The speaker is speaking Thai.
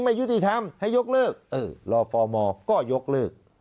ไม่ยุติธรรมให้ยกเลิกเออรอฟอร์มก็ยกเลิก